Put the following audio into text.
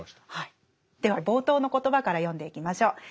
では冒頭の言葉から読んでいきましょう。